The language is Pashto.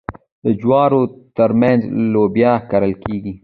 د جوارو ترمنځ لوبیا کرل کیږي.